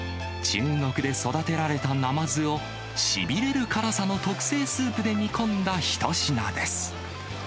中国で育てられたナマズを、しびれる辛さの特製スープで煮込んだ一品です。